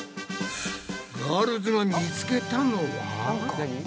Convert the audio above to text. ガールズが見つけたのは。